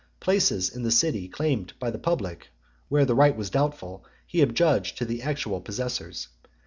Places in the city claimed by the public, where the right was doubtful, he adjudged to the actual possessors.